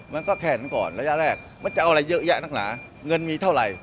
มันก็แขนก่อนระยะแรกมันจะเอาอะไรเยอะแยะนักหนาเงินมีเท่าไหร่